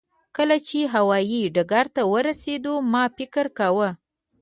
کله چې هوایي ډګر ته ورسېدو ما فکر کاوه.